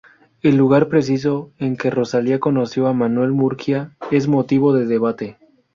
El lugar preciso en que Rosalía conoció a Manuel Murguía es motivo de debate.